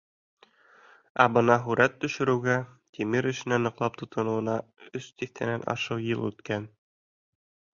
Ә бына һүрәт төшөрөүгә, тимер эшенә ныҡлап тотоноуына өс тиҫтәнән ашыу йыл үткән.